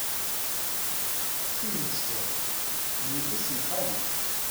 Tidet kan, d yelli-s n xali.